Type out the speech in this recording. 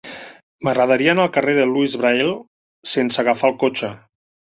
M'agradaria anar al carrer de Louis Braille sense agafar el cotxe.